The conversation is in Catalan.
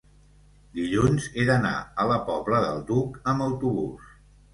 Dilluns he d'anar a la Pobla del Duc amb autobús.